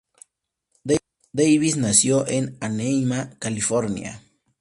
Davis nació en Anaheim, California.